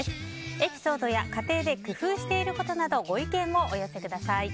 エピソードや家庭で工夫していることなどご意見を、お寄せください。